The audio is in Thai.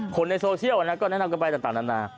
คนในโซเชียลก็แนะนำกันไปต่างนานา